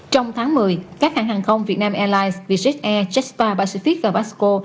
trong tháng một mươi các hãng hàng không việt nam airlines vietjet air jetstar pacific và vasco